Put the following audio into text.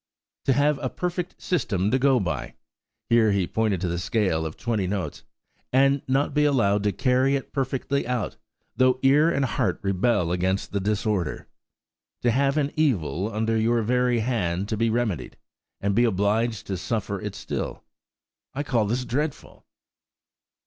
To have a perfect system to go by" (here he pointed to the scale of twenty notes), " and not be allowed to carry it perfectly out, though ear and heart rebel against the disorder! To have an evil under your very hand to be remedied, and be obliged to suffer it still. I call this dreadful!"